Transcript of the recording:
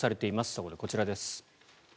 そこでこちらです。